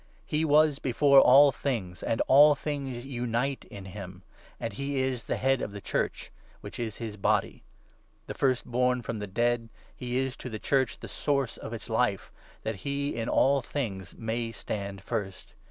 He was before all things, and all things unite in him ; and he is the Head of the Church, which is his Body. The First born from the dead, he is to the Church the Source of its Life, that he, in all things, may stand first.